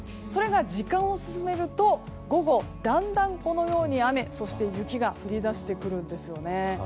それが時間を進めると午後、だんだんと雨、そして雪が降り出してくるんですよね。